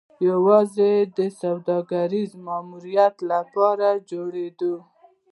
یوازې د سوداګریز ماموریت لپاره جوړېده